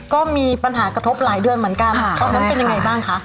ก็มีปัญหากระทบหลายเดือนเหมือนกันตอนนั้นเป็นยังไงบ้างคะ